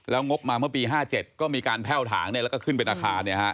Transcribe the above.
งบมาเมื่อปี๕๗ก็มีการแพ่วถางแล้วก็ขึ้นเป็นอาคาร